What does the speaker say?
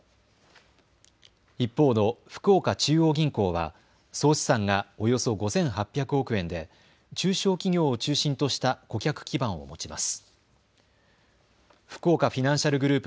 一方の福岡中央銀行は総資産がおよそ５８００億円で中小企業を中心とした顧客基盤を持ちます。